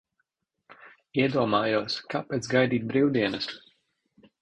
Iedomājos, kāpēc gaidīt brīvdienas?